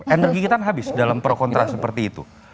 energi kita habis dalam pro kontra seperti itu